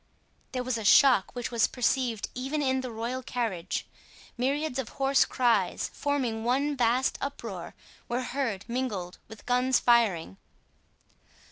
There was a shock which was perceived even in the royal carriage. Myriads of hoarse cries, forming one vast uproar, were heard, mingled with guns firing.